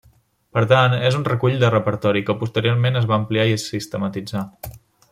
Per tant, és un recull de repertori, que posteriorment es va ampliar i sistematitzar.